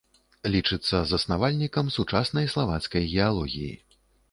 Лічыцца заснавальнікам сучаснай славацкай геалогіі.